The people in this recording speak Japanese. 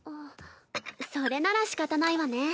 それならしかたないわね。